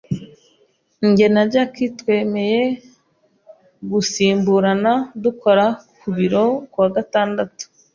Jye na Jack twemeye gusimburana dukora ku biro ku wa gatandatu.